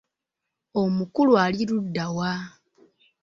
Omukulu ali ludda wa?